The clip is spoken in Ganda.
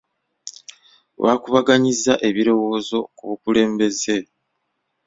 Baakubaganyizza ebirowoozo ku bukulembeze.